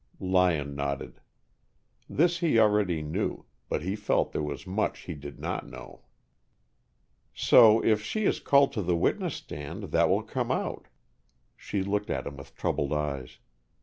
Lyon nodded. This he already knew, but he felt there was much he did not know. "So if she is called to the witness stand, that will come out." She looked at him with troubled eyes.